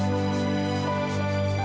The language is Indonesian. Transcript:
ya makasih ya